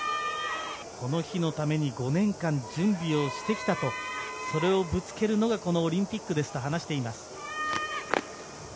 この日のために５年間準備をしてきたとそれをぶつけるのがこのオリンピックですと話しています。